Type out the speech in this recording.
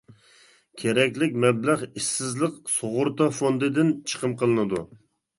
كېرەكلىك مەبلەغ ئىشسىزلىق سۇغۇرتا فوندىدىن چىقىم قىلىنىدۇ.